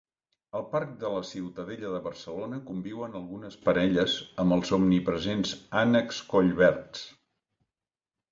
Al Parc de la Ciutadella de Barcelona conviuen algunes parelles amb els omnipresents ànecs collverds.